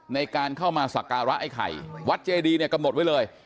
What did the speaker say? ในการเข้ามาสักการะไอ้ไข่วัดเจดีเนี่ยกำหนดไว้เลย